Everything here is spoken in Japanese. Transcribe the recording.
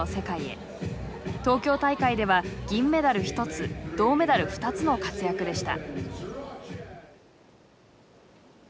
東京大会では銀メダル１つ銅メダル２つの活躍でした。